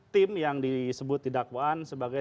tim yang disebut di dakwaan sebagai